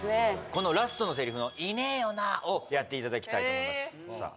このラストのセリフの「いねえよなぁ！！？」をやっていただきたいと思いますさあ